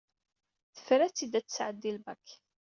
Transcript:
Tefra-tt-id ad tesɛeddi lbak.